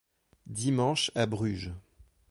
Dimanche à Bruges.